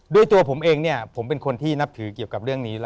ตัวผมเองเนี่ยผมเป็นคนที่นับถือเกี่ยวกับเรื่องนี้